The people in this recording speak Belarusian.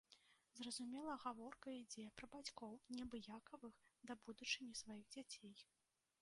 Зразумела, гаворка ідзе пра бацькоў, неабыякавых да будучыні сваіх дзяцей.